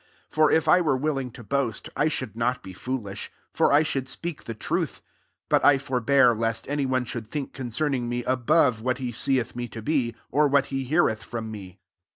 6 For if I were willing to boast) 1 should not be foolish ; for I should speak the truth: but I forbear, lest any one should think concerning me above what he seeth me to be, or what he heareth from me.